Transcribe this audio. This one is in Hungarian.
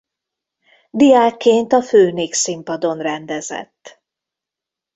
Diákként a Főnix színpadon rendezett.